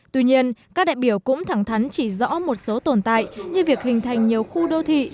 tuy nhiên các đại biểu cũng thẳng thắn chỉ rõ một số tồn tại như việc hình thành nhiều khu đô thị